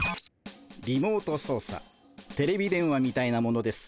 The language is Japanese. リモート操作テレビ電話みたいなものです。